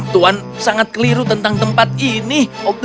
tuan sangat keliru tentang tempat ini